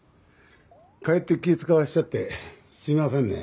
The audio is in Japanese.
かえって気ぃ使わしちゃってすいませんね。